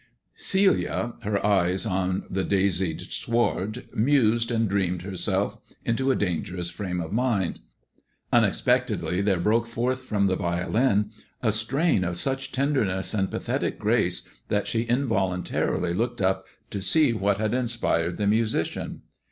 Celia, her eyes on the daisied sward, mused and dreamed herself into a dangerous frame of mind. Unexpectedly there broke forth from the violin a strain of such tenderness and pathetic grace that she involuntarily looked up to see what had inspired the musician.